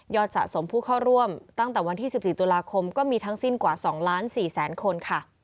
สะสมผู้เข้าร่วมตั้งแต่วันที่๑๔ตุลาคมก็มีทั้งสิ้นกว่า๒ล้าน๔แสนคนค่ะ